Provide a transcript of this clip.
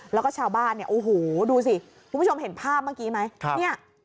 แล้วก็ชาวบ้านเนี่ยโอ้โหดูสิคุณผู้ชมเห็นภาพเมื่อกี้ไหม